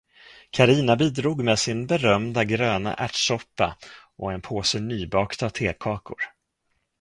Carina bidrog med sin berömda gröna ärtsoppa och en påse nybakta tekakor.